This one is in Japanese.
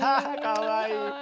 かわいい。